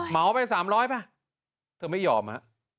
เหมาไป๓๐๐ป่ะเธอไม่ยอมฮะ